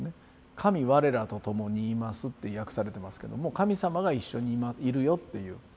「神われらと共にいます」って訳されてますけども神様が一緒にいるよっていう。